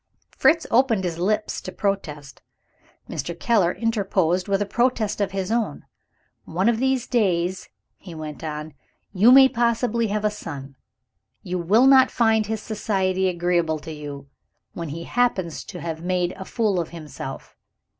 Fritz opened his lips to protest. Mr. Keller interposed, with a protest of his own. "One of these days," he went on, "you may possibly have a son. You will not find his society agreeable to you, when he happens to have made a fool of himself."